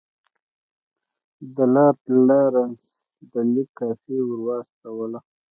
د لارډ لارنس د لیک کاپي ورواستوله.